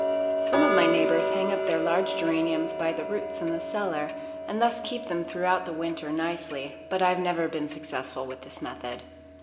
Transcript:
Some of my neighbors hang up their large geraniums by the roots in the cellar, and thus keep them throughout the winter nicely, but I have never been successful with this method.